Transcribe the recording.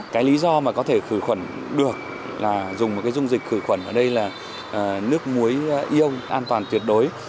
cái lý do mà có thể khử khuẩn được là dùng một cái dung dịch khử khuẩn ở đây là nước muối yêu an toàn tuyệt đối